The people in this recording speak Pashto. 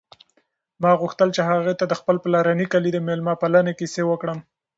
ما غوښتل چې هغې ته د خپل پلارني کلي د مېلمه پالنې کیسې وکړم.